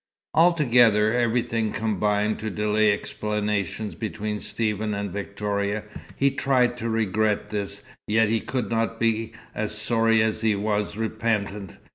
Altogether, everything combined to delay explanations between Stephen and Victoria. He tried to regret this, yet could not be as sorry as he was repentant.